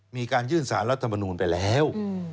มีการยื่นสารรัฐมนูลไปแล้ว